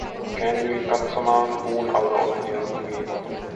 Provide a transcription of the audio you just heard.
Käännyin katsomaan puun alla olevia ruumiita.